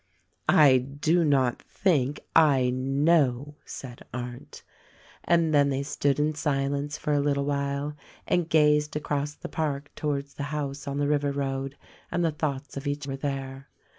"I do not think, I know," said Arndt. And then they stood in silence for a little while and gazed across the park towards the house on the river road, and the thoughts of each were there.